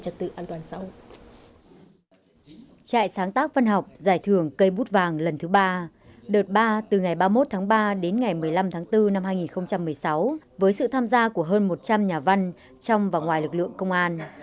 trại sáng tác văn học giải thưởng cây bút vàng lần thứ ba đợt ba từ ngày ba mươi một tháng ba đến ngày một mươi năm tháng bốn năm hai nghìn một mươi sáu với sự tham gia của hơn một trăm linh nhà văn trong và ngoài lực lượng công an